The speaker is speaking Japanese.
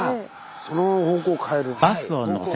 そのまま方向を変えるんです。